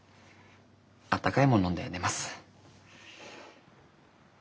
温かいもん飲んで寝ます。